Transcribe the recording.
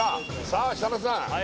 さあ設楽さん